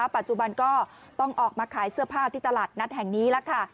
ปัจจุบันก็ต้องออกมาขายเสื้อผ้าที่ตลาดนัดแห่งนี้แล้วค่ะ